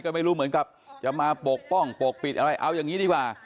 ก็ไม่รู้เหมือนกับจะมาปกป้องปกปิดอะไรเอาอย่างนี้ดีกว่า